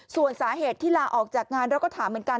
ส่วนสาเหตุที่ลาออกจากงานเราก็ถามเหมือนกัน